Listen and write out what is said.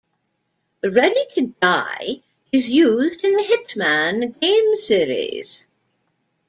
"Ready to Die" is used in the Hitman game series.